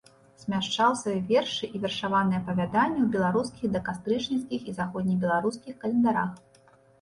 Змяшчаў свае вершы і вершаваныя апавяданні ў беларускіх дакастрычніцкіх і заходнебеларускіх календарах.